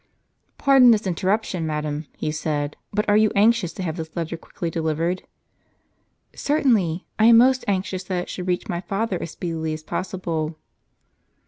" Pardon this interruption, madam," he said, " but are you anxious to have this letter quickly delivered? "" Certainly, I am most anxious that it should reach my father as speedily as possible."